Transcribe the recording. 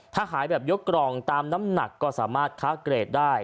ถ้าขายแบบยกกล่องตามน้ำหนักก็สามารถค้าเกรดได้